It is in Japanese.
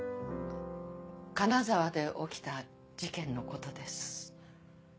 金沢で起きた事件のことです。